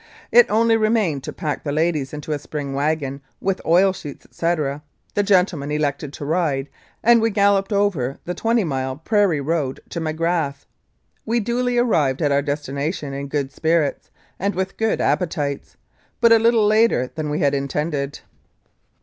It only re mained to pack the ladies into a spring wagon with oil sheets, etc.; the gentlemen elected to ride, and we galloped over the twenty mile prairie road to Magrath. We duly arrived at our destination in good spirits and with good appetites, but a little later than we had intended.